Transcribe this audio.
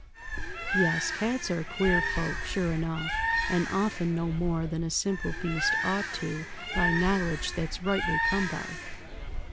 "Yes, cats are queer folk, sure enough, and often know more than a simple beast ought to by knowledge that's rightly come by.